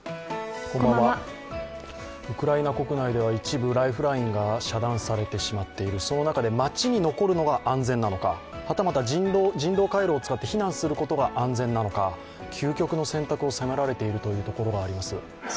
ウクライナ国内では一部ライフラインが遮断されてしまっている、その中で街に残るのが安全なのかはたまた人道回廊を使って避難することが安全なのか究極の選択を迫られているところがあります。